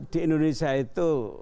di indonesia itu